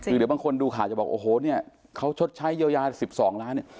คือเดี๋ยวบางคนดูข่าวจะบอกโอ้โหเนี่ยเขาชดใช้เยียวยา๑๒ล้านเนี่ย